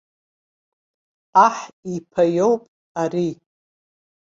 Аҳ иԥа иоуп ари.